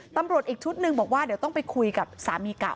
ตำรวจอีกชุดหนึ่งบอกว่าเดี๋ยวต้องไปคุยกับสามีเก่า